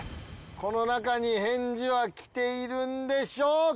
この中に返事は来ているんでしょうか？